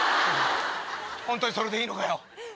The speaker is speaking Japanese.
本当にそれでいいのかよ？